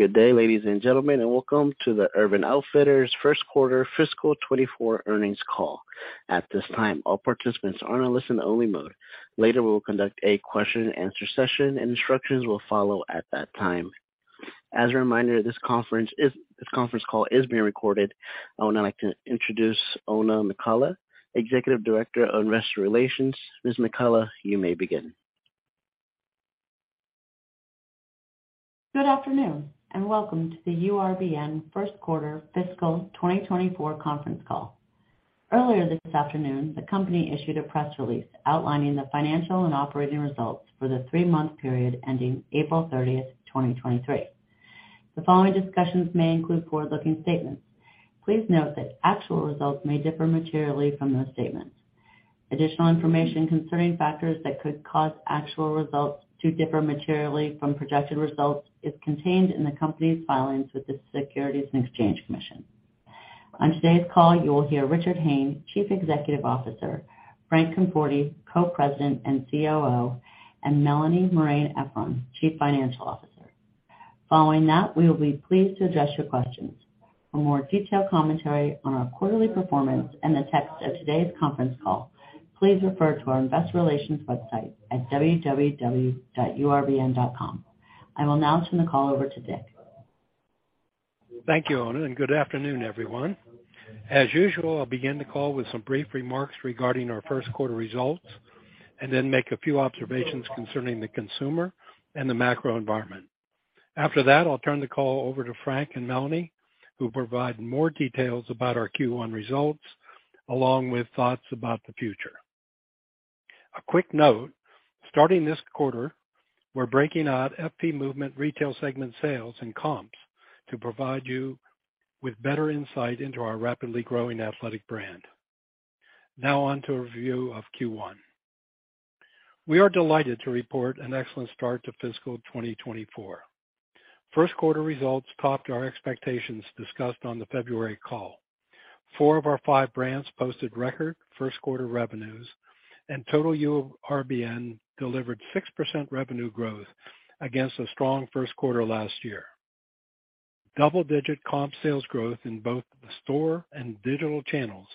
Good day, ladies and gentlemen, and welcome to the Urban Outfitters first quarter fiscal 2024 earnings call. At this time, all participants are in a listen only mode. Later, we will conduct a question and answer session, and instructions will follow at that time. As a reminder, this conference call is being recorded. I would now like to introduce Oona McCullough, Executive Director of Investor Relations. Ms. McCullough, you may begin. Good afternoon, welcome to the URBN first quarter fiscal 2024 conference call. Earlier this afternoon, the company issued a press release outlining the financial and operating results for the three-month period ending April 30th, 2023. The following discussions may include forward-looking statements. Please note that actual results may differ materially from those statements. Additional information concerning factors that could cause actual results to differ materially from projected results is contained in the company's filings with the Securities and Exchange Commission. On today's call, you will hear Richard Hayne, Chief Executive Officer, Frank Conforti, Co-President and COO, and Melanie Marein-Efron, Chief Financial Officer. Following that, we will be pleased to address your questions. For more detailed commentary on our quarterly performance and the text of today's conference call, please refer to our investor relations website at www.urbn.com. I will now turn the call over to Dick. Thank you, Oona, good afternoon, everyone. As usual, I'll begin the call with some brief remarks regarding our first quarter results, and then make a few observations concerning the consumer and the macro environment. After that, I'll turn the call over to Frank and Melanie, who will provide more details about our Q1 results, along with thoughts about the future. A quick note. Starting this quarter, we're breaking out FP Movement retail segment sales and comps to provide you with better insight into our rapidly growing athletic brand. On to a review of Q1. We are delighted to report an excellent start to fiscal 2024. First quarter results topped our expectations discussed on the February call. Four of our five brands posted record first quarter revenues, Total URBN delivered 6% revenue growth against a strong first quarter last year. Double-digit comp sales growth in both the store and digital channels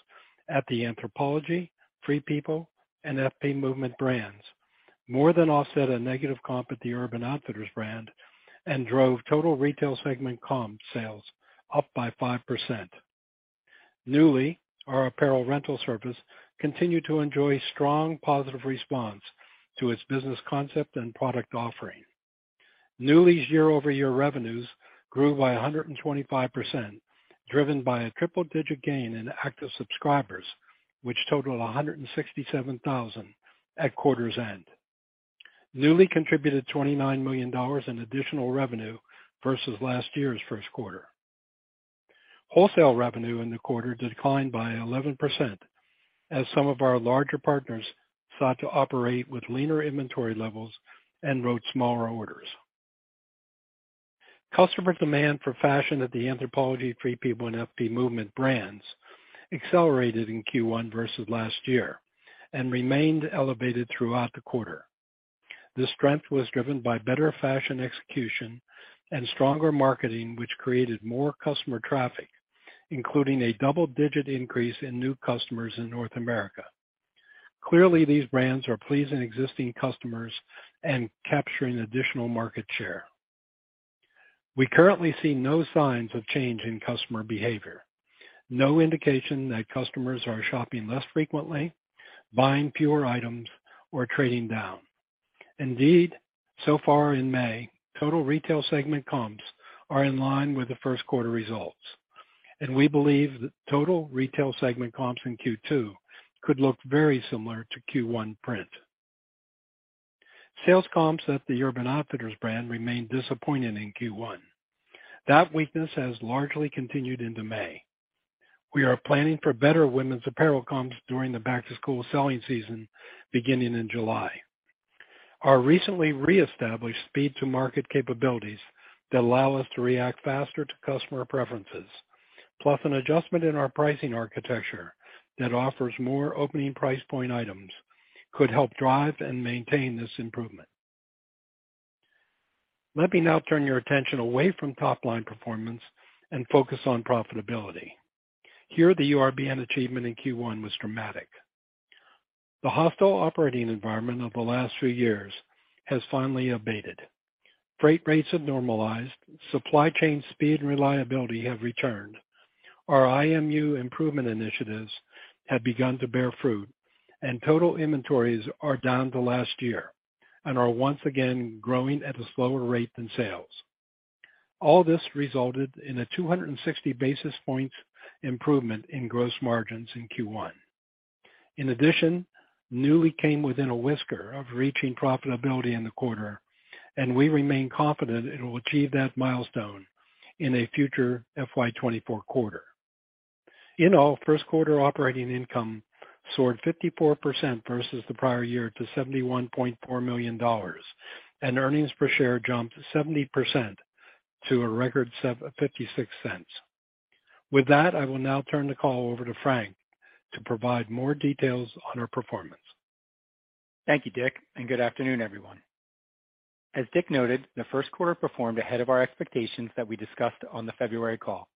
at the Anthropologie, Free People, and FP Movement brands more than offset a negative comp at the Urban Outfitters brand and drove total retail segment comp sales up by 5%. Nuuly, our apparel rental service, continued to enjoy strong positive response to its business concept and product offering. Nuuly's year-over-year revenues grew by 125%, driven by a triple-digit gain in active subscribers, which totaled 167,000 at quarter's end. Nuuly contributed $29 million in additional revenue versus last year's first quarter. Wholesale revenue in the quarter declined by 11% as some of our larger partners sought to operate with leaner inventory levels and wrote smaller orders. Customer demand for fashion at the Anthropologie, Free People, and FP Movement brands accelerated in Q1 versus last year and remained elevated throughout the quarter. This strength was driven by better fashion execution and stronger marketing, which created more customer traffic, including a double-digit increase in new customers in North America. Clearly, these brands are pleasing existing customers and capturing additional market share. We currently see no signs of change in customer behavior, no indication that customers are shopping less frequently, buying fewer items, or trading down. Indeed, so far in May, total retail segment comps are in line with the first quarter results, and we believe that total retail segment comps in Q2 could look very similar to Q1 print. Sales comps at the Urban Outfitters brand remained disappointing in Q1. That weakness has largely continued into May. We are planning for better women's apparel comps during the back-to-school selling season beginning in July. Our recently reestablished speed-to-market capabilities that allow us to react faster to customer preferences, plus an adjustment in our pricing architecture that offers more opening price point items, could help drive and maintain this improvement. Let me now turn your attention away from top-line performance and focus on profitability. Here, the URBN achievement in Q1 was dramatic. The hostile operating environment of the last few years has finally abated. Freight rates have normalized. Supply chain speed and reliability have returned. Our IMU improvement initiatives have begun to bear fruit, and total inventories are down to last year and are once again growing at a slower rate than sales. All this resulted in a 260 basis points improvement in gross margins in Q1. In addition, Nuuly came within a whisker of reaching profitability in the quarter, and we remain confident it will achieve that milestone in a future FY 2024 quarter. In all, first quarter operating income soared 54% versus the prior-year to $71.4 million, and earnings per share jumped 70% to a record $0.56. With that, I will now turn the call over to Frank to provide more details on our performance. Thank you, Dick, and good afternoon, everyone. As Dick noted, the first quarter performed ahead of our expectations that we discussed on the February call.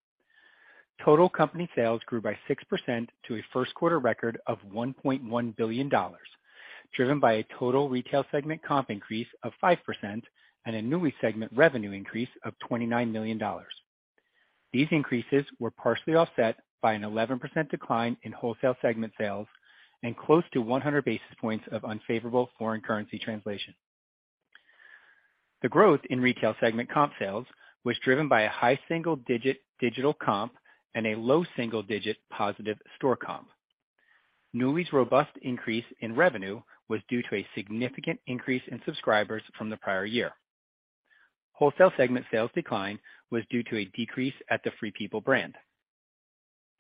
Total company sales grew by 6% to a first quarter record of $1.1 billion, driven by a total retail segment comp increase of 5% and a Nuuly segment revenue increase of $29 million. These increases were partially offset by an 11% decline in wholesale segment sales and close to 100 basis points of unfavorable foreign currency translation. The growth in retail segment comp sales was driven by a high single-digit digital comp and a low single-digit positive store comp. Nuuly's robust increase in revenue was due to a significant increase in subscribers from the prior-year. Wholesale segment sales decline was due to a decrease at the Free People brand.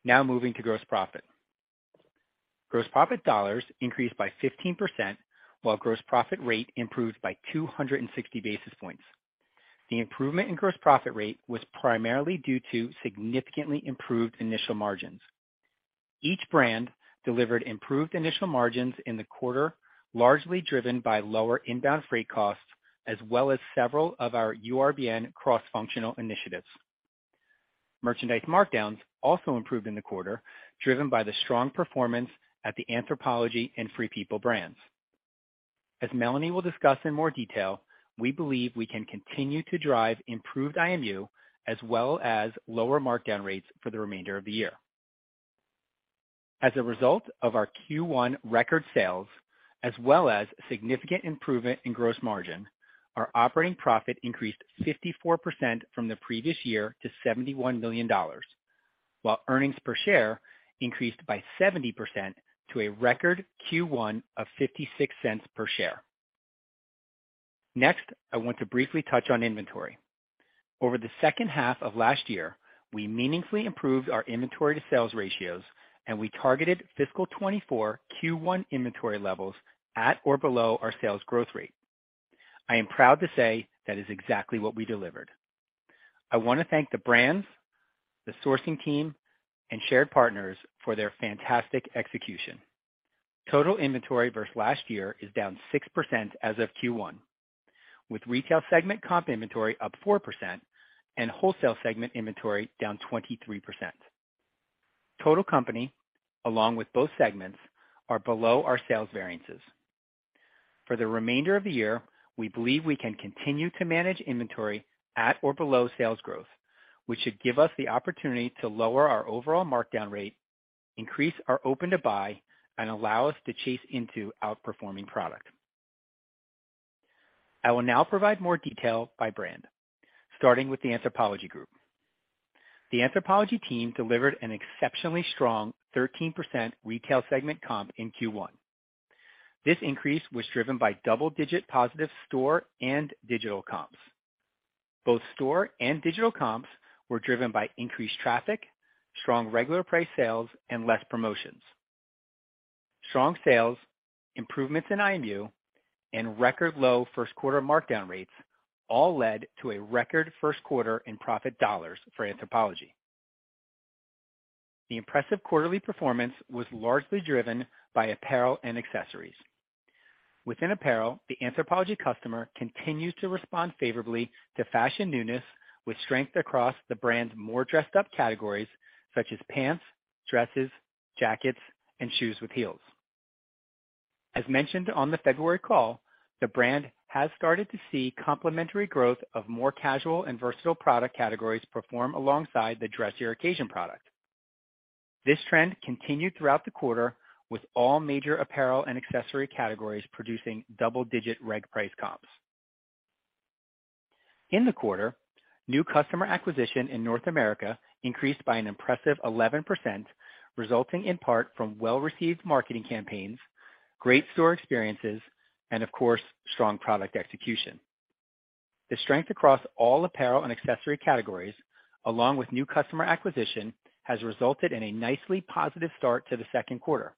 Moving to gross profit. Gross profit dollars increased by 15%, while gross profit rate improved by 260 basis points. The improvement in gross profit rate was primarily due to significantly improved initial margins. Each brand delivered improved initial margins in the quarter, largely driven by lower inbound freight costs as well as several of our URBN cross-functional initiatives. Merchandise markdowns also improved in the quarter, driven by the strong performance at the Anthropologie and Free People brands. As Melanie will discuss in more detail, we believe we can continue to drive improved IMU as well as lower markdown rates for the remainder of the year. As a result of our Q1 record sales, as well as significant improvement in gross margin, our operating profit increased 54% from the previous year to $71 million, while earnings per share increased by 70% to a record Q1 of $0.56 per share. I want to briefly touch on inventory. Over the second half of last year, we meaningfully improved our inventory to sales ratios. We targeted fiscal 2024 Q1 inventory levels at or below our sales growth rate. I am proud to say that is exactly what we delivered. I want to thank the brands, the sourcing team, and shared partners for their fantastic execution. Total inventory versus last year is down 6% as of Q1, with retail segment comp inventory up 4% and wholesale segment inventory down 23%. Total company, along with both segments, are below our sales variances. For the remainder of the year, we believe we can continue to manage inventory at or below sales growth, which should give us the opportunity to lower our overall markdown rate, increase our open-to-buy, and allow us to chase into outperforming product. I will now provide more detail by brand, starting with the Anthropologie Group. The Anthropologie team delivered an exceptionally strong 13% retail segment comp in Q1. This increase was driven by double-digit positive store and digital comps. Both store and digital comps were driven by increased traffic, strong regular price sales, and less promotions. Strong sales, improvements in IMU, and record low first quarter markdown rates all led to a record first quarter in profit dollars for Anthropologie. The impressive quarterly performance was largely driven by apparel and accessories. Within apparel, the Anthropologie customer continues to respond favorably to fashion newness with strength across the brand's more dressed up categories such as pants, dresses, jackets, and shoes with heels. As mentioned on the February call, the brand has started to see complementary growth of more casual and versatile product categories perform alongside the dressier occasion product. This trend continued throughout the quarter with all major apparel and accessory categories producing double-digit reg price comps. In the quarter, new customer acquisition in North America increased by an impressive 11%, resulting in part from well-received marketing campaigns, great store experiences, and of course, strong product execution. The strength across all apparel and accessory categories, along with new customer acquisition, has resulted in a nicely positive start to the second quarter,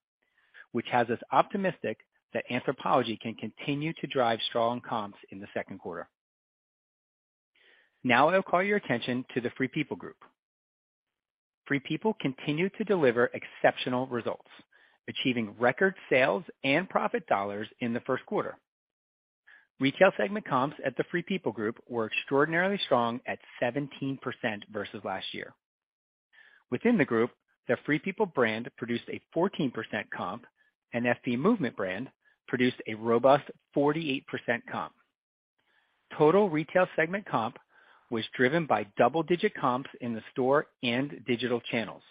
which has us optimistic that Anthropologie can continue to drive strong comps in the second quarter. I'll call your attention to the Free People Group. Free People continued to deliver exceptional results, achieving record sales and profit dollars in the first quarter. Retail segment comps at the Free People Group were extraordinarily strong at 17% versus last year. Within the Group, the Free People brand produced a 14% comp, and FP Movement brand produced a robust 48% comp. Total retail segment comp was driven by double-digit comps in the store and digital channels.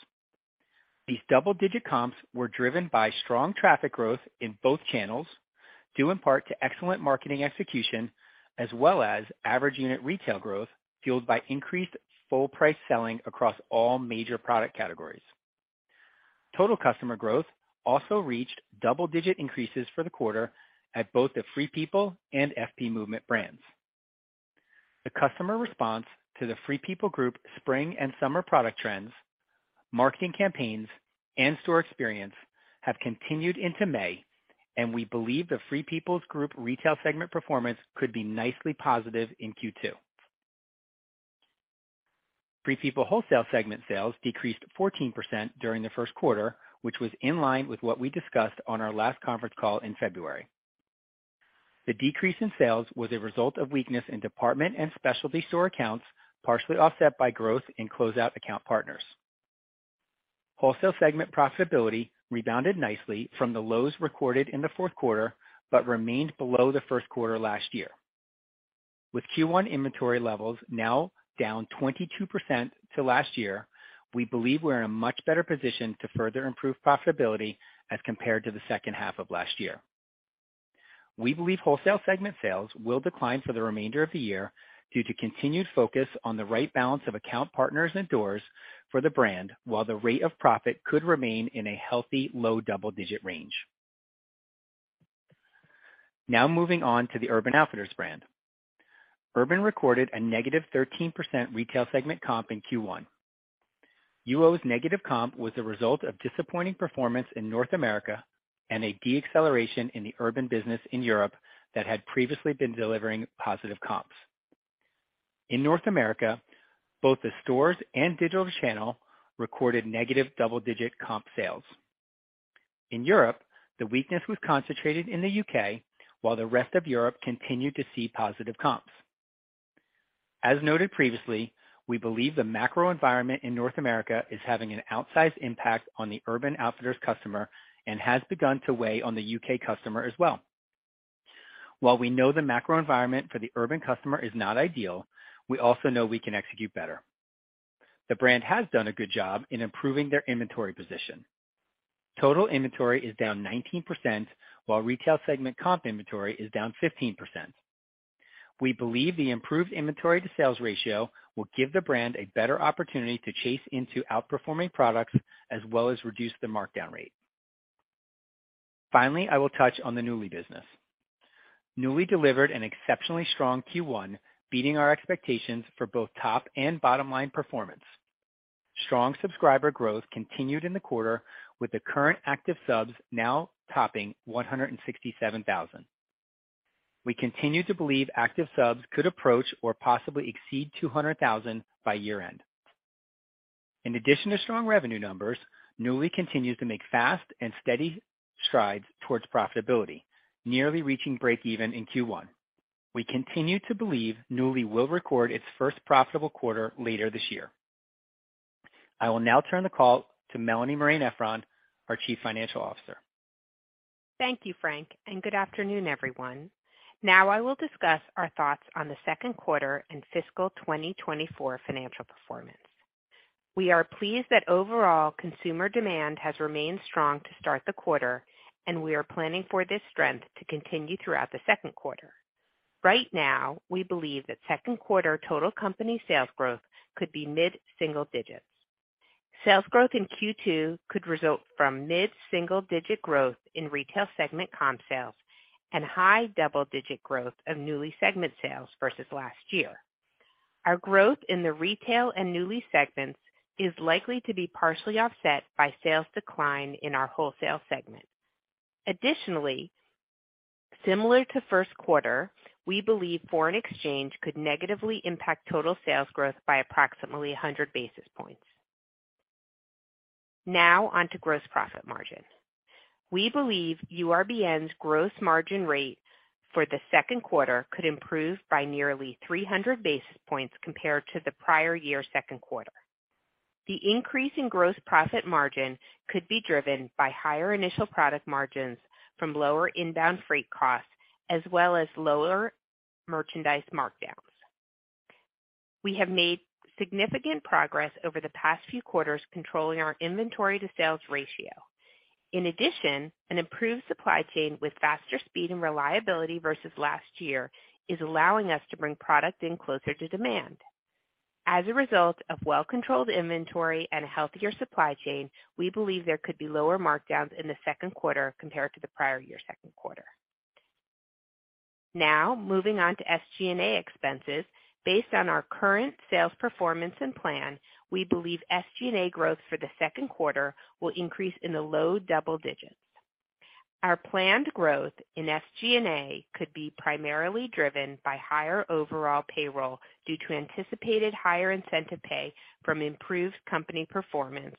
These double-digit comps were driven by strong traffic growth in both channels due in part to excellent marketing execution as well as average unit retail growth fueled by increased full price selling across all major product categories. Total customer growth also reached double-digit increases for the quarter at both the Free People and FP Movement brands. The customer response to the Free People Group spring and summer product trends, marketing campaigns, and store experience have continued into May, and we believe the Free People Group retail segment performance could be nicely positive in Q2. Free People wholesale segment sales decreased 14% during the first quarter, which was in line with what we discussed on our last conference call in February. The decrease in sales was a result of weakness in department and specialty store accounts, partially offset by growth in closeout account partners. Wholesale segment profitability rebounded nicely from the lows recorded in the fourth quarter, but remained below the first quarter last year. With Q1 inventory levels now down 22% to last year, we believe we're in a much better position to further improve profitability as compared to the second half of last year. We believe wholesale segment sales will decline for the remainder of the year due to continued focus on the right balance of account partners and doors for the brand while the rate of profit could remain in a healthy low double-digit range. Moving on to the Urban Outfitters brand. Urban recorded a negative 13% retail segment comp in Q1. UO's negative comp was a result of disappointing performance in North America and a deceleration in the urban business in Europe that had previously been delivering positive comps. North America, both the stores and digital channel recorded negative double-digit comp sales. Europe, the weakness was concentrated in the U.K., while the rest of Europe continued to see positive comps. As noted previously, we believe the macro environment in North America is having an outsized impact on the Urban Outfitters customer and has begun to weigh on the U.K. customer as well. While we know the macro environment for the urban customer is not ideal, we also know we can execute better. The brand has done a good job in improving their inventory position. Total inventory is down 19%, while retail segment comp inventory is down 15%. We believe the improved inventory to sales ratio will give the brand a better opportunity to chase into outperforming products as well as reduce the markdown rate. I will touch on the Nuuly business. Nuuly delivered an exceptionally strong Q1, beating our expectations for both top and bottom line performance. Strong subscriber growth continued in the quarter with the current active subs now topping 167,000. We continue to believe active subs could approach or possibly exceed 200,000 by year-end. In addition to strong revenue numbers, Nuuly continues to make fast and steady strides towards profitability, nearly reaching breakeven in Q1. We continue to believe Nuuly will record its first profitable quarter later this year. I will now turn the call to Melanie Marein-Efron, our Chief Financial Officer. Thank you, Frank. Good afternoon, everyone. Now I will discuss our thoughts on the second quarter and fiscal 2024 financial performance. We are pleased that overall consumer demand has remained strong to start the quarter, and we are planning for this strength to continue throughout the second quarter. Right now, we believe that second quarter total company sales growth could be mid-single digits. Sales growth in Q2 could result from mid-single digit growth in retail segment comp sales and high double-digit growth of Nuuly segment sales versus last year. Our growth in the retail and Nuuly segments is likely to be partially offset by sales decline in our wholesale segment. Similar to first quarter, we believe foreign exchange could negatively impact total sales growth by approximately 100 basis points. Now on to gross profit margin. We believe URBN's gross margin rate for the second quarter could improve by nearly 300 basis points compared to the prior-year second quarter. The increase in gross profit margin could be driven by higher initial product margins from lower inbound freight costs as well as lower merchandise markdowns. We have made significant progress over the past few quarters, controlling our inventory to sales ratio. An improved supply chain with faster speed and reliability versus last year is allowing us to bring product in closer to demand. As a result of well-controlled inventory and a healthier supply chain, we believe there could be lower markdowns in the second quarter compared to the prior-year second quarter. Moving on to SG&A expenses. Based on our current sales performance and plan, we believe SG&A growth for the second quarter will increase in the low double-digits. Our planned growth in SG&A could be primarily driven by higher overall payroll due to anticipated higher incentive pay from improved company performance,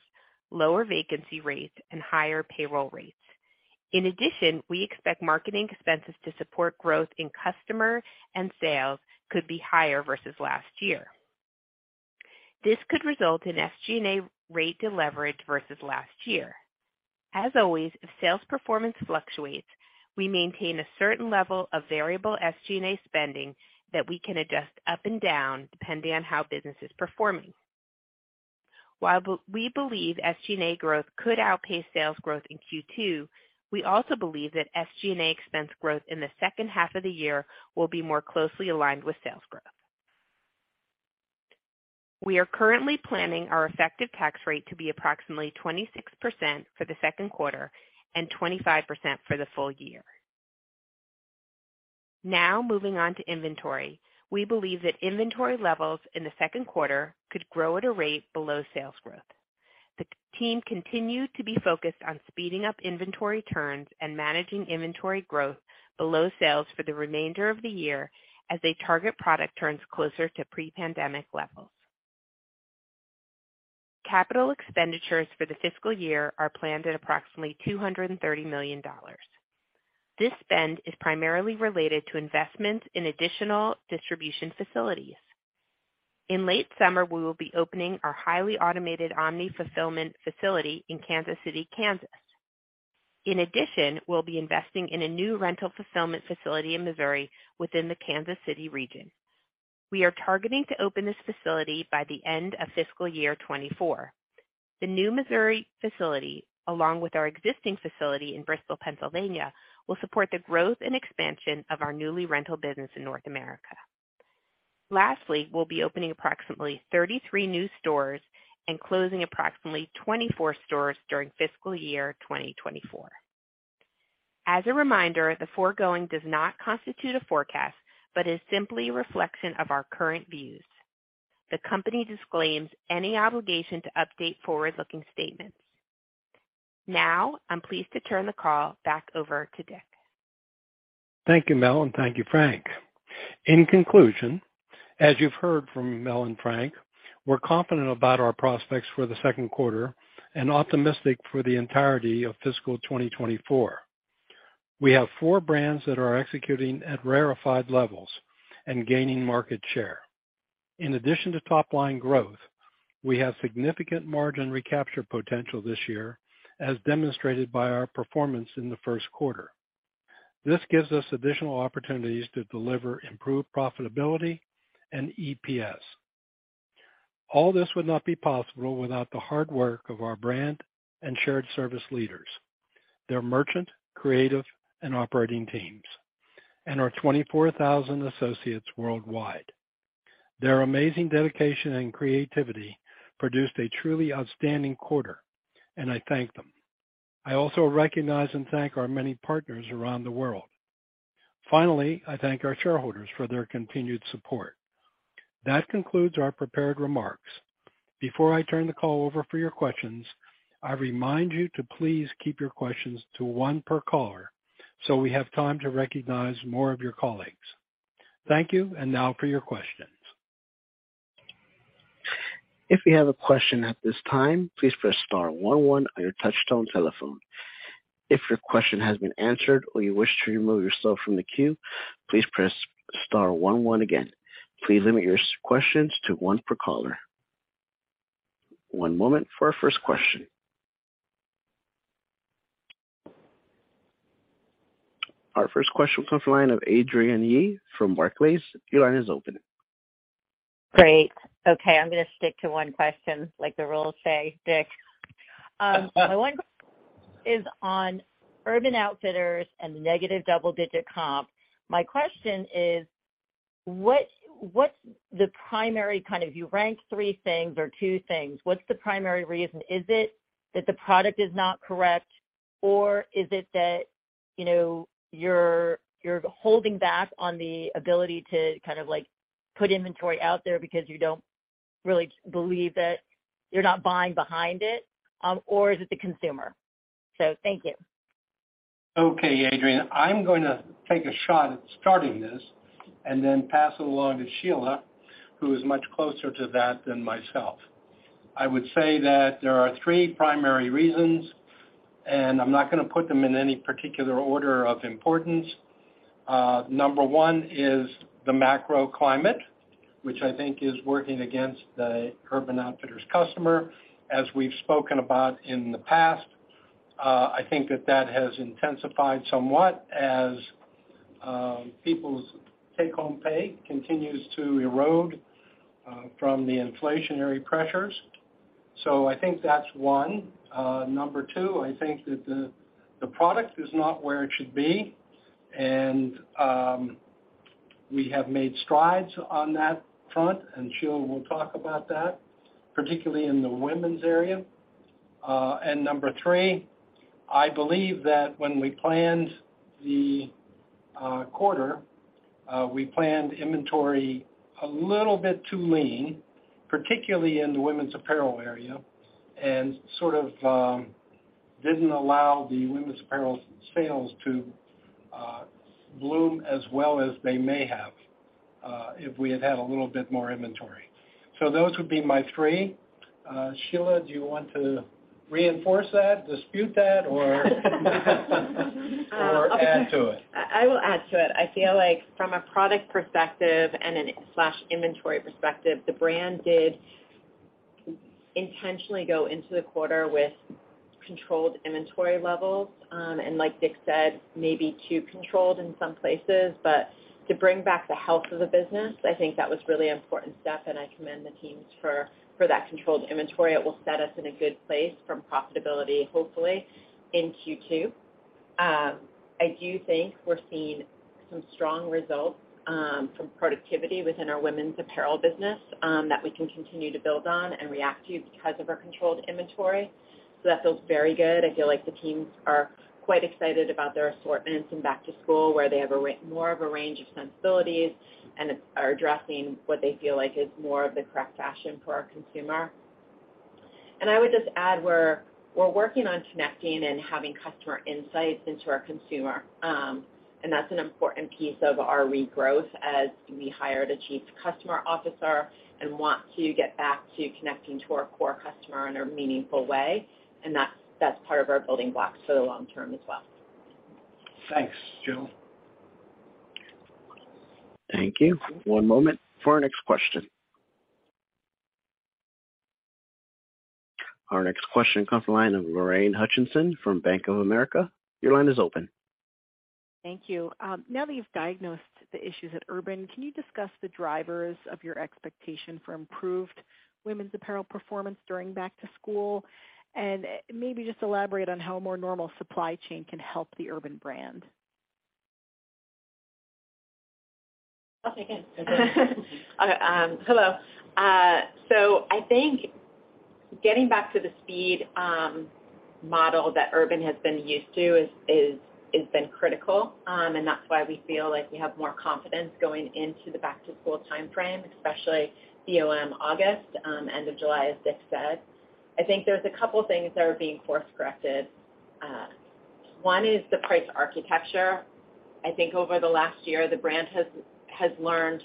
lower vacancy rates, and higher payroll rates. We expect marketing expenses to support growth in customer and sales could be higher versus last year. This could result in SG&A rate deleverage versus last year. As always, if sales performance fluctuates, we maintain a certain level of variable SG&A spending that we can adjust up and down depending on how business is performing. While we believe SG&A growth could outpace sales growth in Q2, we also believe that SG&A expense growth in the second half of the year will be more closely aligned with sales growth. We are currently planning our effective tax rate to be approximately 26% for the second quarter and 25% for the full-year. Moving on to inventory. We believe that inventory levels in the second quarter could grow at a rate below sales growth. The team continued to be focused on speeding up inventory turns and managing inventory growth below sales for the remainder of the year as they target product turns closer to pre-pandemic levels. Capital expenditures for the fiscal year are planned at approximately $230 million. This spend is primarily related to investments in additional distribution facilities. In late summer, we will be opening our highly automated omni-fulfillment facility in Kansas City, Kansas. In addition, we'll be investing in a new rental fulfillment facility in Missouri within the Kansas City region. We are targeting to open this facility by the end of fiscal year 2024. The new Missouri facility, along with our existing facility in Bristol, Pennsylvania, will support the growth and expansion of our Nuuly rental business in North America. Lastly, we'll be opening approximately 33 new stores and closing approximately 24 stores during fiscal year 2024. As a reminder, the foregoing does not constitute a forecast, but is simply a reflection of our current views. The company disclaims any obligation to update forward-looking statements. Now, I'm pleased to turn the call back over to Dick. Thank you, Mel, and thank you, Frank. In conclusion, as you've heard from Mel and Frank, we're confident about our prospects for the second quarter and optimistic for the entirety of fiscal 2024. We have four brands that are executing at rarefied levels and gaining market share. In addition to top line growth, we have significant margin recapture potential this year, as demonstrated by our performance in the first quarter. This gives us additional opportunities to deliver improved profitability and EPS. All this would not be possible without the hard work of our brand and shared service leaders, their merchant, creative, and operating teams, and our 24,000 associates worldwide. Their amazing dedication and creativity produced a truly outstanding quarter, and I thank them. I also recognize and thank our many partners around the world. Finally, I thank our shareholders for their continued support. That concludes our prepared remarks. Before I turn the call over for your questions, I remind you to please keep your questions to one per caller, so we have time to recognize more of your colleagues. Thank you. Now for your questions. If you have a question at this time, please press star one one on your touch-tone telephone. If your question has been answered or you wish to remove yourself from the queue, please press star one one again. Please limit your questions to one per caller. One moment for our first question. Our first question comes from the line of Adrienne Yih from Barclays. Your line is open. Great. Okay, I'm gonna stick to one question like the rules say, Dick. My one is on Urban Outfitters and the negative double-digit comp. My question is: What's the primary kind of you rank three things or two things, what's the primary reason? Is it that the product is not correct, or is it that, you know, you're holding back on the ability to kind of like put inventory out there because you don't really believe that you're not buying behind it, or is it the consumer? Thank you. Adrienne. I'm gonna take a shot at starting this and then pass it along to Sheila, who is much closer to that than myself. I would say that there are three primary reasons, and I'm not gonna put them in any particular order of importance. number 1 is the macro climate, which I think is working against the Urban Outfitters customer, as we've spoken about in the past. I think that that has intensified somewhat as people's take-home pay continues to erode from the inflationary pressures. I think that's one. number 2, I think that the product is not where it should be, and we have made strides on that front, and Sheila will talk about that, particularly in the women's area. Number three, I believe that when we planned the quarter, we planned inventory a little bit too lean, particularly in the women's apparel area, and sort of didn't allow the women's apparel sales to bloom as well as they may have if we had had a little bit more inventory. Those would be my three. Sheila, do you want to reinforce that, dispute that or add to it? I will add to it. I feel like from a product perspective and an slash inventory perspective, the brand did intentionally go into the quarter with controlled inventory levels, and like Dick said, maybe too controlled in some places. To bring back the health of the business, I think that was really important step, and I commend the teams for that controlled inventory. It will set us in a good place from profitability, hopefully in Q2. I do think we're seeing some strong results from productivity within our women's apparel business that we can continue to build on and react to because of our controlled inventory. That feels very good. I feel like the teams are quite excited about their assortments in back to school, where they have more of a range of sensibilities and are addressing what they feel like is more of the correct fashion for our consumer. I would just add, we're working on connecting and having customer insights into our consumer. That's an important piece of our regrowth as we hired a chief customer officer and want to get back to connecting to our core customer in a meaningful way. That's part of our building blocks for the long term as well. Thanks, Yih. Thank you. One moment for our next question. Our next question comes from the line of Lorraine Hutchinson from Bank of America. Your line is open. Thank you. Now that you've diagnosed the issues at Urban, can you discuss the drivers of your expectation for improved women's apparel performance during back to school? Maybe just elaborate on how a more normal supply chain can help the Urban brand. I'll take it. Hello. I think getting back to the speed model that Urban has been used to is critical. That's why we feel like we have more confidence going into the back to school timeframe, especially BOM August, end of July, as Dick said. I think there's a couple things that are being course corrected. One is the price architecture. I think over the last year, the brand has learned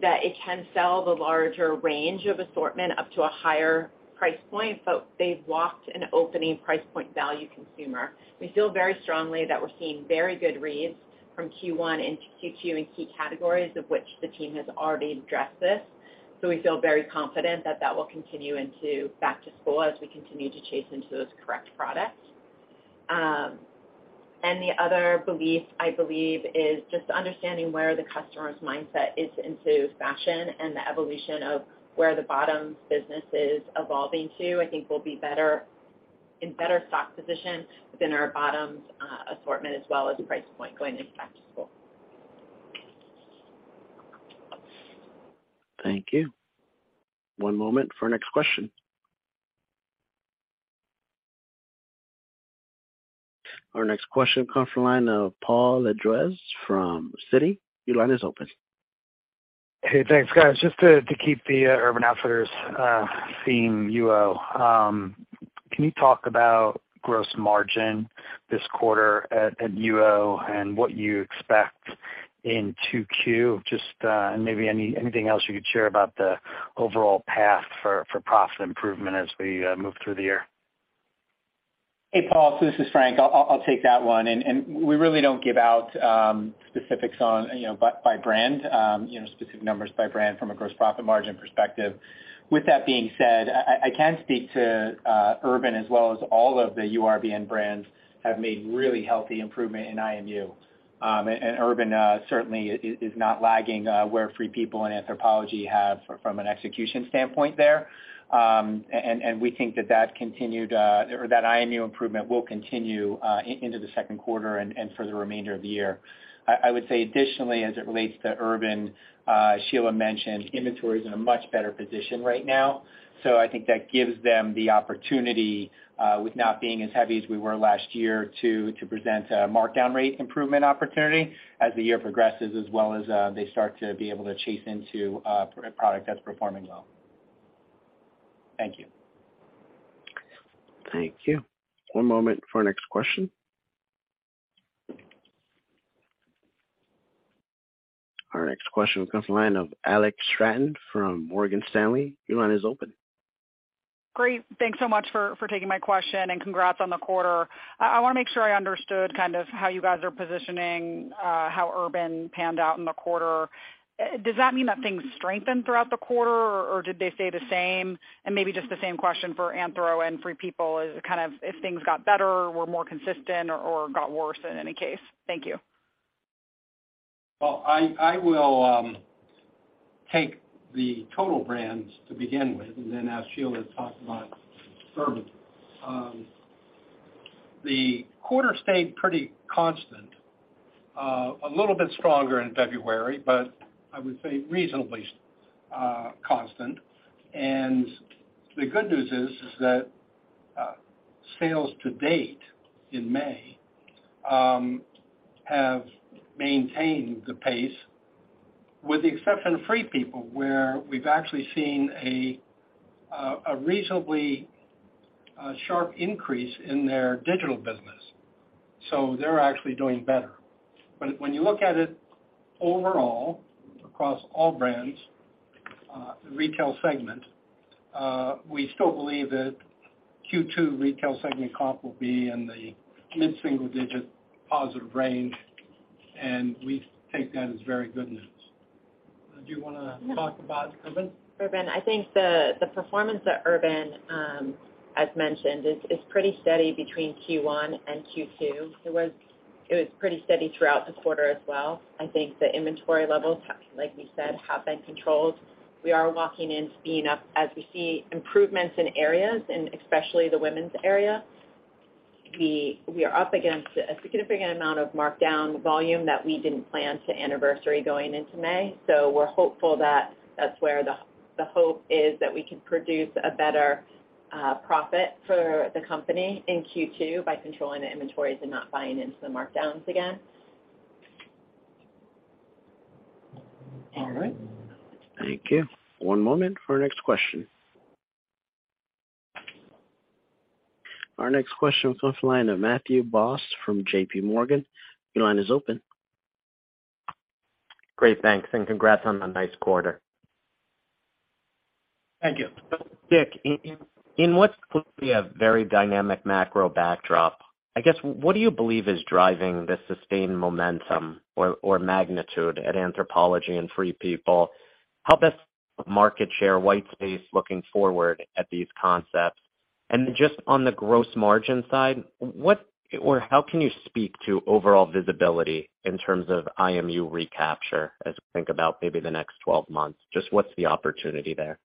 that it can sell the larger range of assortment up to a higher price point, they've locked an opening price point value consumer. We feel very strongly that we're seeing very good reads from Q1 into Q2 in key categories of which the team has already addressed this. We feel very confident that that will continue into back to school as we continue to chase into those correct products. The other belief, I believe, is just understanding where the customer's mindset is into fashion and the evolution of where the bottoms business is evolving to, I think we'll be in better stock position within our bottoms, assortment as well as price point going into back to school. Thank you. One moment for our next question. Our next question comes from the line of Paul Lejuez from Citi. Your line is open. Hey, thanks, guys. Just to keep the Urban Outfitters theme, UO. Can you talk about gross margin this quarter at UO and what you expect in 2Q, and maybe anything else you could share about the overall path for profit improvement as we move through the year? Hey, Paul, this is Frank. I'll take that one. We really don't give out, you know, by brand, you know, specific numbers by brand from a gross profit margin perspective. With that being said, I can speak to Urban as well as all of the URBN brands have made really healthy improvement in IMU. Urban certainly is not lagging where Free People and Anthropologie have from an execution standpoint there. We think that continued or that IMU improvement will continue into the second quarter and for the remainder of the year. I would say additionally, as it relates to Urban, Sheila mentioned, inventory is in a much better position right now. I think that gives them the opportunity, with not being as heavy as we were last year, to present a markdown rate improvement opportunity as the year progresses, as well as, they start to be able to chase into a product that's performing well. Thank you. Thank you. One moment for our next question. Our next question comes from the line of Alex Straton from Morgan Stanley. Your line is open. Great. Thanks so much for taking my question, and congrats on the quarter. I wanna make sure I understood kind of how you guys are positioning how Urban panned out in the quarter. Does that mean that things strengthened throughout the quarter, or did they stay the same? Maybe just the same question for Anthro and Free People as kind of if things got better or were more consistent or got worse in any case. Thank you. Well, I will take the total brands to begin with and then ask Sheila to talk about Urban. The quarter stayed pretty constant. A little bit stronger in February, but I would say reasonably constant. The good news is that sales to date in May have maintained the pace with the exception of Free People, where we've actually seen a reasonably sharp increase in their digital business. They're actually doing better. When you look at it overall across all brands, retail segment, we still believe that Q2 retail segment comp will be in the mid-single digit positive range, and we take that as very good news. Do you wanna... No. talk about Urban? Urban. I think the performance at Urban, as mentioned, is pretty steady between Q1 and Q2. It was pretty steady throughout this quarter as well. I think the inventory levels, like we said, have been controlled. We are walking in speeding up as we see improvements in areas and especially the women's area. We are up against a significant amount of markdown volume that we didn't plan to anniversary going into May. We're hopeful that that's where the hope is that we can produce a better profit for the company in Q2 by controlling the inventories and not buying into the markdowns again. All right. Thank you. One moment for our next question. Our next question comes from the line of Matthew Boss from JPMorgan. Your line is open. Great. Thanks, and congrats on a nice quarter. Thank you. Dick, in what's clearly a very dynamic macro backdrop, I guess, what do you believe is driving the sustained momentum or magnitude at Anthropologie and Free People? How best market share whitespace looking forward at these concepts? Just on the gross margin side, what or how can you speak to overall visibility in terms of IMU recapture as we think about maybe the next 12 months? Just what's the opportunity there?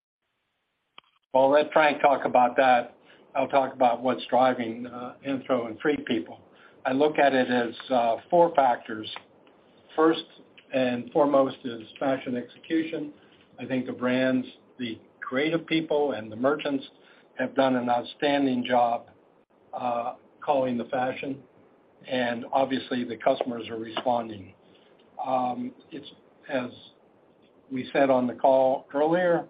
Well, let Frank talk about that. I'll talk about what's driving Anthro and Free People. I look at it as 4 factors. First and foremost is fashion execution. I think the brands, the creative people and the merchants have done an outstanding job calling the fashion, obviously the customers are responding. It's as we said on the call earlier,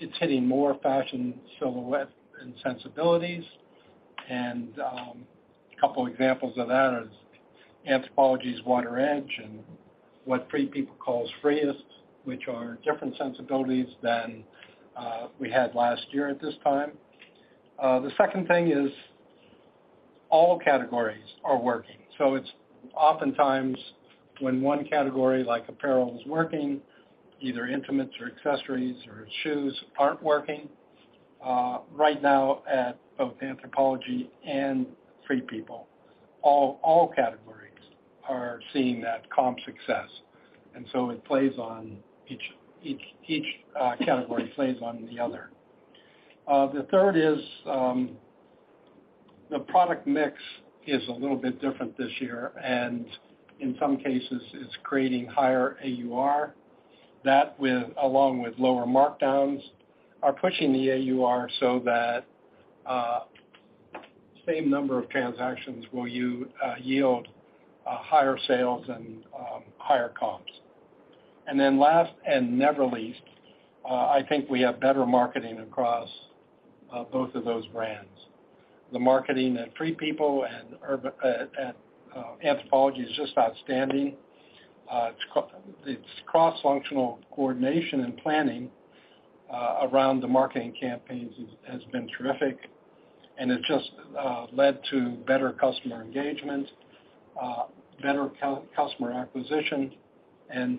it's hitting more fashion silhouette and sensibilities. A couple examples of that is Anthropologie's Water's Edge and what Free People calls Free-est, which are different sensibilities than we had last year at this time. The second thing is all categories are working. It's oftentimes when one category like apparel is working, either intimates or accessories or shoes aren't working. Right now at both Anthropologie and Free People, all categories are seeing that comp success, it plays on each category plays on the other. The third is, the product mix is a little bit different this year, and in some cases it's creating higher AUR. That with, along with lower markdowns, are pushing the AUR so that same number of transactions will yield higher sales and higher comps. Last and never least, I think we have better marketing across both of those brands. The marketing at Free People and Anthropologie is just outstanding. It's cross-functional coordination and planning around the marketing campaigns has been terrific. It just led to better customer engagement, better customer acquisition and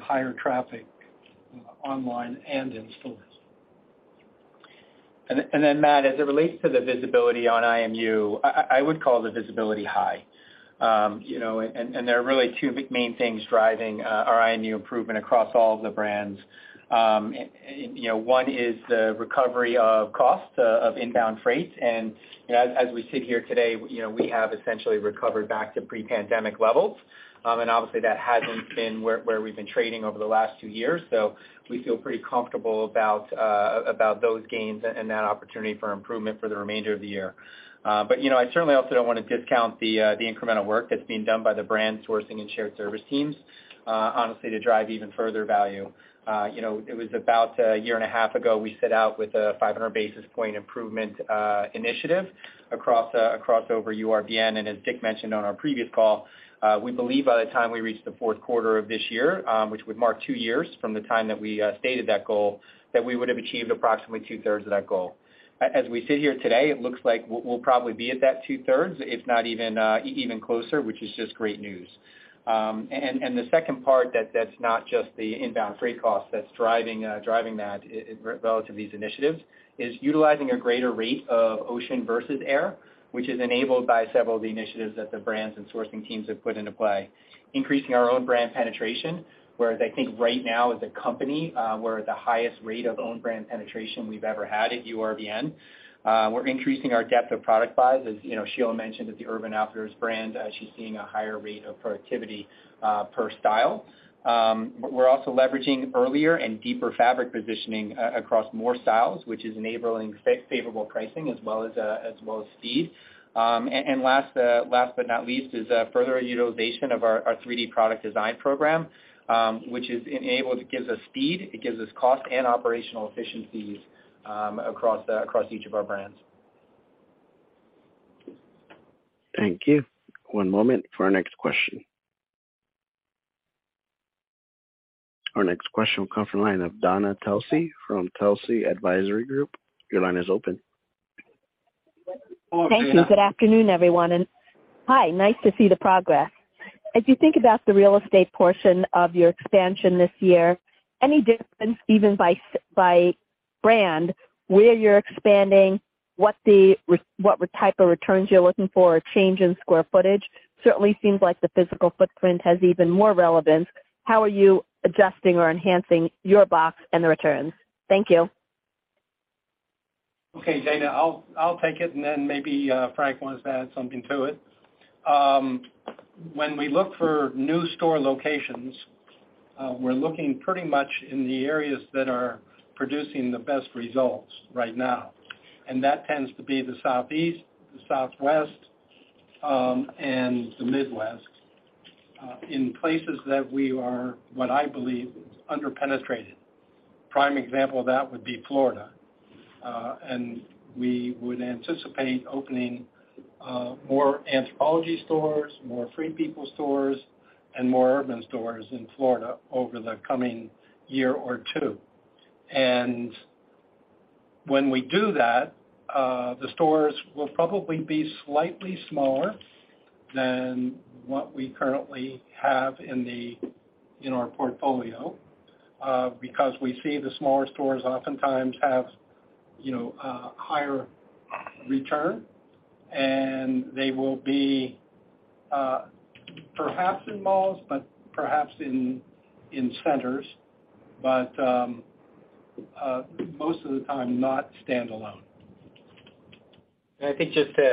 higher traffic online and in stores. Then Matt, as it relates to the visibility on IMU, I would call the visibility high. you know, there are really two big main things driving our IMU improvement across all of the brands. you know, one is the recovery of cost of inbound freight. you know, as we sit here today, you know, we have essentially recovered back to pre-pandemic levels. obviously that hasn't been where we've been trading over the last two years. We feel pretty comfortable about those gains and that opportunity for improvement for the remainder of the year. you know, I certainly also don't wanna discount the incremental work that's being done by the brand sourcing and shared service teams honestly, to drive even further value. You know, it was about a year and a half ago, we set out with a 500 basis point improvement initiative across over URBN. As Dick mentioned on our previous call, we believe by the time we reach the fourth quarter of this year, which would mark two years from the time that we stated that goal, that we would have achieved approximately two-thirds of that goal. As we sit here today, it looks like we'll probably be at that two-thirds, if not even closer, which is just great news. The second part that's not just the inbound freight cost that's driving relative to these initiatives, is utilizing a greater rate of ocean versus air, which is enabled by several of the initiatives that the brands and sourcing teams have put into play. Increasing our own brand penetration, whereas I think right now as a company, we're at the highest rate of own brand penetration we've ever had at URBN. We're increasing our depth of product buys. As you know, Sheila mentioned at the Urban Outfitters brand, she's seeing a higher rate of productivity per style. We're also leveraging earlier and deeper fabric positioning across more styles, which is enabling favorable pricing as well as speed. Last but not least is further utilization of our 3D product design program, which is enabled. It gives us speed, it gives us cost and operational efficiencies across each of our brands. Thank you. One moment for our next question. Our next question will come from the line of Dana Telsey from Telsey Advisory Group. Your line is open. Thank you. Good afternoon, everyone. Hi, nice to see the progress. As you think about the real estate portion of your expansion this year, any difference even by brand, where you're expanding, what type of returns you're looking for, a change in square footage? Certainly seems like the physical footprint has even more relevance. How are you adjusting or enhancing your box and the returns? Thank you. Okay, Dana, I'll take it and then maybe Frank wants to add something to it. When we look for new store locations, we're looking pretty much in the areas that are producing the best results right now. That tends to be the Southeast, the Southwest, and the Midwest, in places that we are, what I believe, under-penetrated. Prime example of that would be Florida. We would anticipate opening more Anthropologie stores, more Free People stores, and more Urban stores in Florida over the coming year or two. When we do that, the stores will probably be slightly smaller than what we currently have in the, in our portfolio, because we see the smaller stores oftentimes have, you know, a higher return, and they will be, perhaps in malls, but perhaps in centers. Most of the time, not standalone. I think just to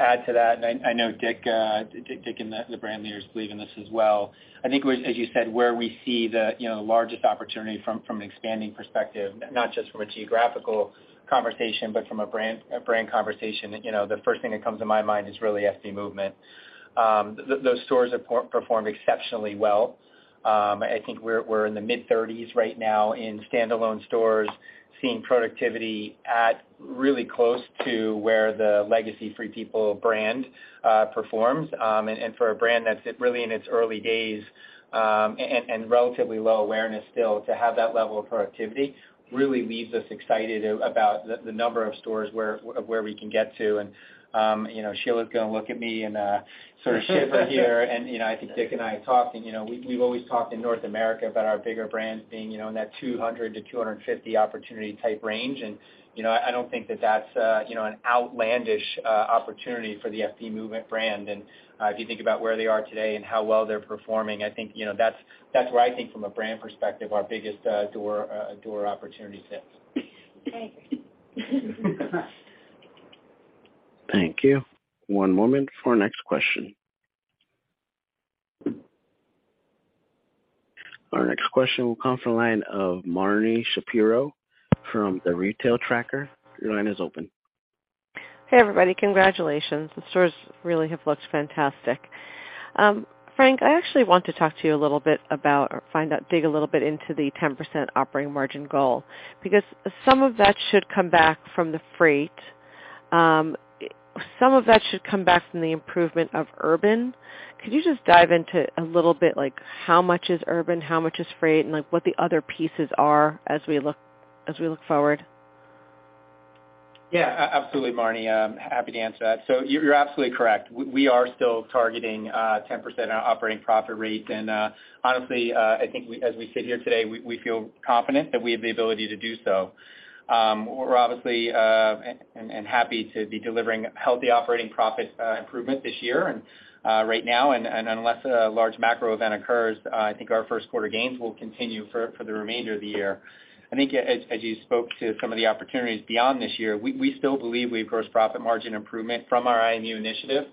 add to that, I know Dick and the brand leaders believe in this as well. I think as you said, where we see the, you know, largest opportunity from an expanding perspective, not just from a geographical conversation, but from a brand conversation, you know, the first thing that comes to my mind is really FP Movement. Those stores have performed exceptionally well. I think we're in the mid-30s right now in standalone stores, seeing productivity at really close to where the legacy Free People brand performs. For a brand that's really in its early days, and relatively low awareness still, to have that level of productivity really leaves us excited about the number of stores where we can get to. You know, Sheila's gonna look at me and sort of shiver here. You know, I think Dick and I talked, and, you know, we've always talked in North America about our bigger brands being, you know, in that 200 to 250 opportunity type range. You know, I don't think that that's, you know, an outlandish opportunity for the FP Movement brand. If you think about where they are today and how well they're performing, I think, you know, that's where I think from a brand perspective, our biggest door opportunity sits. Thank you. One moment for next question. Our next question will come from line of Marni Shapiro from The Retail Tracker. Your line is open. Hey, everybody. Congratulations. The stores really have looked fantastic. Frank, I actually want to talk to you a little bit about or find out, dig a little bit into the 10% operating margin goal. Some of that should come back from the freight. Some of that should come back from the improvement of Urban. Could you just dive into a little bit like how much is Urban, how much is freight, and, like, what the other pieces are as we look forward? Yeah. Absolutely, Marni. I'm happy to answer that. You're absolutely correct. We are still targeting 10% on our operating profit rate. Honestly, I think as we sit here today, we feel confident that we have the ability to do so. We're obviously and happy to be delivering healthy operating profit improvement this year and right now. Unless a large macro event occurs, I think our first quarter gains will continue for the remainder of the year. I think as you spoke to some of the opportunities beyond this year, we still believe we have gross profit margin improvement from our IMU initiative.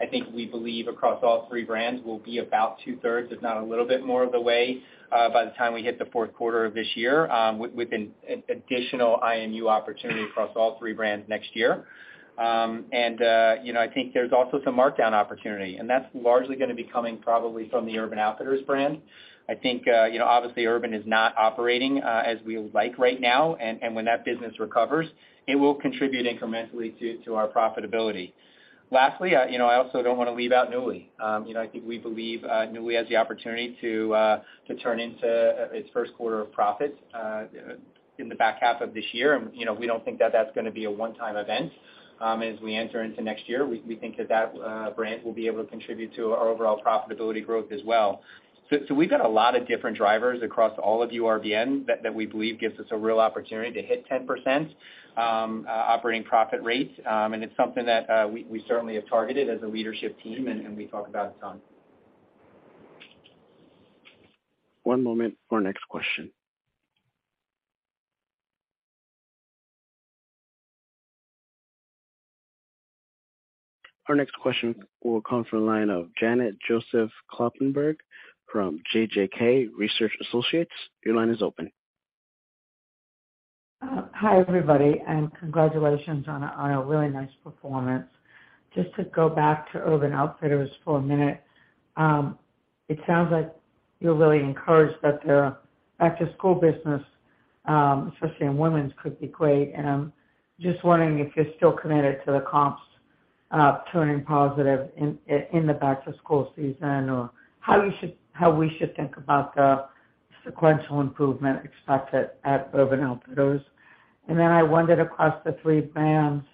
I think we believe across all three brands will be about two-thirds, if not a little bit more of the way, by the time we hit the fourth quarter of this year, with an additional IMU opportunity across all three brands next year. You know, I think there's also some markdown opportunity, and that's largely gonna be coming probably from the Urban Outfitters brand. I think, you know, obviously, Urban is not operating as we would like right now. When that business recovers, it will contribute incrementally to our profitability. Lastly, you know, I also don't wanna leave out Nuuly. You know, I think we believe Nuuly has the opportunity to turn into its first quarter of profits in the back half of this year. You know, we don't think that that's gonna be a one-time event. As we enter into next year, we think that brand will be able to contribute to our overall profitability growth as well. We've got a lot of different drivers across all of URBN that we believe gives us a real opportunity to hit 10% operating profit rates. It's something that we certainly have targeted as a leadership team, and we talk about it a ton. One moment for next question. Our next question will come from the line of Janet Joseph Kloppenburg from JJK Research Associates. Your line is open. Hi, everybody, congratulations on a really nice performance. Just to go back to Urban Outfitters for a minute. It sounds like you're really encouraged that the back-to-school business, especially in women's, could be great. I'm just wondering if you're still committed to the comps turning positive in the back-to-school season, or how we should think about the sequential improvement expected at Urban Outfitters. I wondered across the three brands,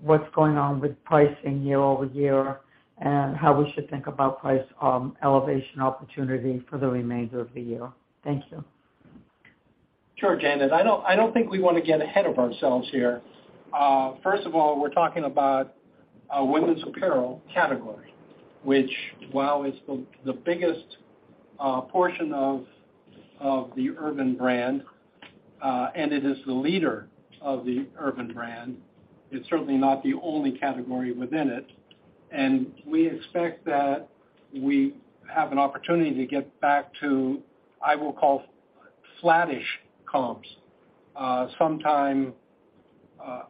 what's going on with pricing year-over-year, and how we should think about price elevation opportunity for the remainder of the year. Thank you. Sure, Janet. I don't think we wanna get ahead of ourselves here. First of all, we're talking about a women's apparel category, which while is the biggest portion of the Urban brand, and it is the leader of the Urban brand. It's certainly not the only category within it. We expect that we have an opportunity to get back to, I will call, flattish comps sometime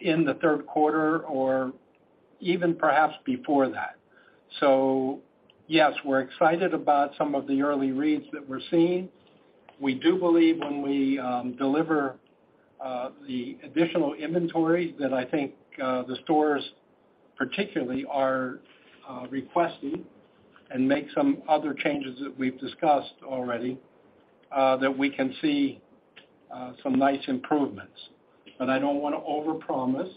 in the third quarter or even perhaps before that. Yes, we're excited about some of the early reads that we're seeing. We do believe when we deliver the additional inventory that I think the stores particularly are requesting and make some other changes that we've discussed already that we can see some nice improvements. I don't wanna overpromise.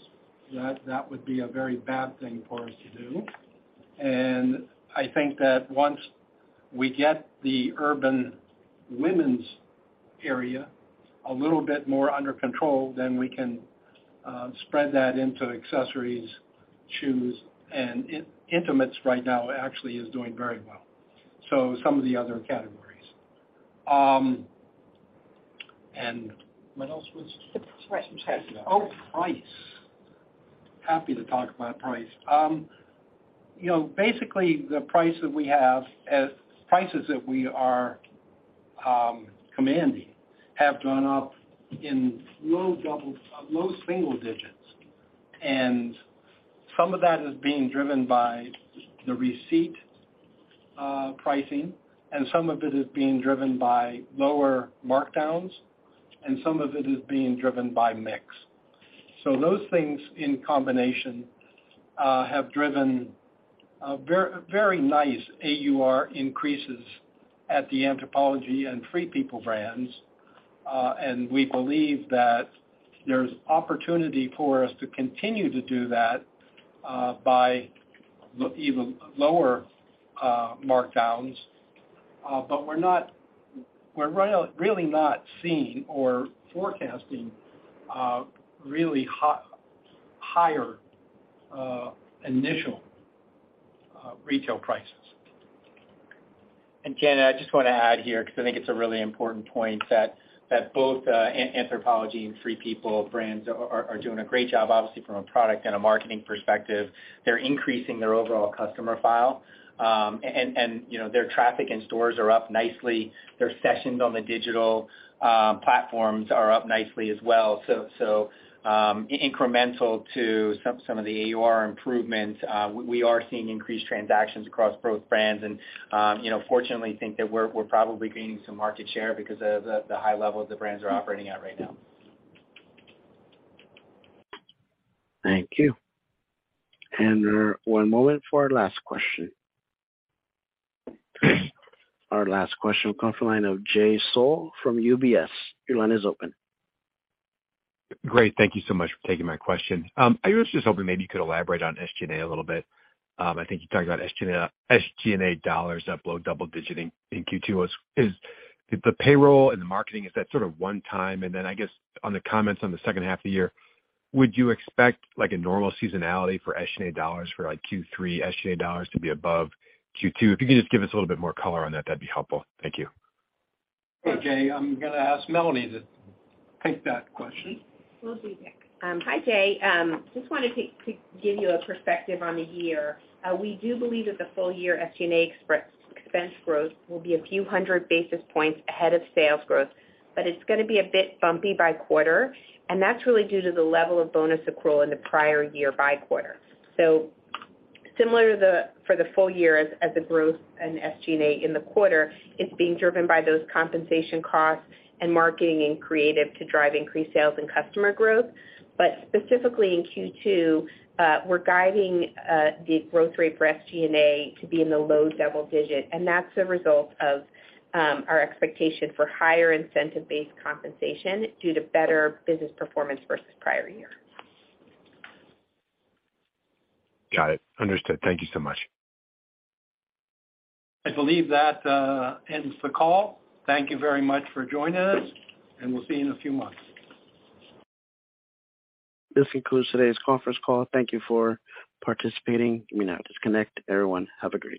That would be a very bad thing for us to do. I think that once we get the urban women's area a little bit more under control, then we can spread that into accessories, shoes, and in-intimates right now actually is doing very well. Some of the other categories. What else was... The price. Oh, price. Happy to talk about price. You know, basically, the prices that we are commanding have gone up in low single digits. Some of that is being driven by the receipt pricing, and some of it is being driven by lower markdowns, and some of it is being driven by mix. Those things in combination have driven a very nice AUR increases at the Anthropologie and Free People brands. We believe that there's opportunity for us to continue to do that by even lower markdowns. We're really not seeing or forecasting really higher initial retail prices. And then, I just wanna add here because I think it's a really important point that Anthropologie and Free People brands are doing a great job, obviously, from a product and a marketing perspective. They're increasing their overall customer file. And, you know, their traffic in stores are up nicely. Their sessions on the digital platforms are up nicely as well. Incremental to some of the AUR improvements, we are seeing increased transactions across both brands. You know, fortunately think that we're probably gaining some market share because of the high level that the brands are operating at right now. Thank you. One moment for our last question. Our last question will come from the line of Jay Sole from UBS. Your line is open. Great. Thank you so much for taking my question. I was just hoping maybe you could elaborate on SG&A a little bit. I think you talked about SG&A dollars up low double-digit in Q2. Is the payroll and the marketing, is that sort of one time? Then I guess on the comments on the second half of the year, would you expect like a normal seasonality for SG&A dollars for like Q3 SG&A dollars to be above Q2? If you can just give us a little bit more color on that'd be helpful. Thank you. Jay, I'm gonna ask Melanie to take that question. Will do, Dick. Hi, Jay. Just wanted to give you a perspective on the year. We do believe that the full-year SG&A ex-expense growth will be a few hundred basis points ahead of sales growth, it's gonna be a bit bumpy by quarter, that's really due to the level of bonus accrual in the prior-year by quarter. Similar to for the full-year as the growth in SG&A in the quarter, it's being driven by those compensation costs and marketing and creative to drive increased sales and customer growth. Specifically in Q2, we're guiding the growth rate for SG&A to be in the low double-digit, that's a result of our expectation for higher incentive-based compensation due to better business performance versus prior-year. Got it. Understood. Thank you so much. I believe that ends the call. Thank you very much for joining us. We'll see you in a few months. This concludes today's conference call. Thank you for participating. You may now disconnect. Everyone, have a great day.